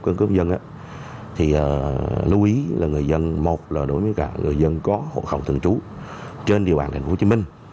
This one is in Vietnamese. các trường hợp người dân lưu ý là người dân một là đối với cả người dân có hộ khẩu thường trú trên địa bàn tp hcm